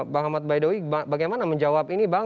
bang ahmad baidowi bagaimana menjawab ini bang